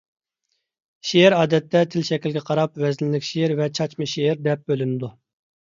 شېئىر ئادەتتە تىل شەكلىگە قاراپ ۋەزىنلىك شېئىر ۋە چاچما شېئىر دەپ بۆلۈنىدۇ.